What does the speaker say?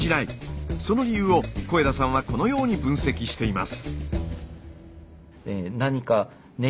その理由を肥田さんはこのように分析しています。